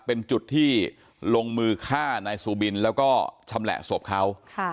เป็นจุดที่ลงมือฆ่านายซูบินแล้วก็ชำแหละศพเขา